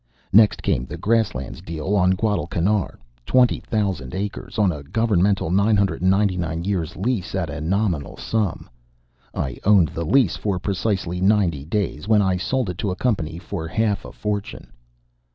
Next came the grasslands deal on Guadalcanar twenty thousand acres, on a governmental nine hundred and ninety nine years' lease at a nominal sum. I owned the lease for precisely ninety days, when I sold it to a company for half a fortune.